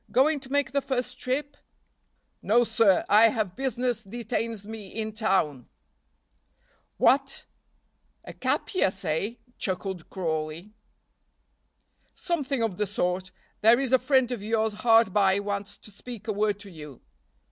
Going to make the first trip?" "No, sir! I have business detains me in town." "What! a capias, eh?" chuckled Crawley. "Something of the sort. There is a friend of yours hard by wants to speak a word to you."